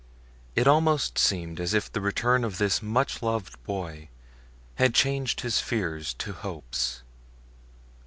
It almost seemed as if the return of this much loved boy had changed his fears to hopes.